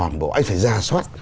anh phải ra soát